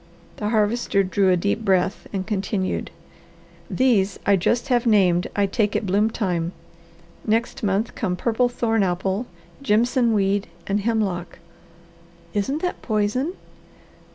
The Harvester drew a deep breath and continued: "These I just have named I take at bloom time; next month come purple thorn apple, jimson weed, and hemlock." "Isn't that poison?"